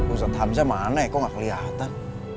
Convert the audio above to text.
buset hamsa mana ya kok gak kelihatan